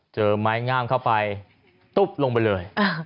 เจอไม้งามเข้าไปตุ๊บลงไปเลย